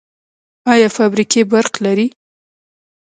آیا فابریکې برق لري؟